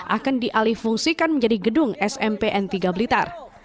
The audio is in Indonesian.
akan dialih fungsikan menjadi gedung smp n tiga blitar